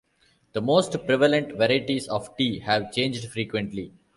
The most prevalent varieties of tea have changed frequently.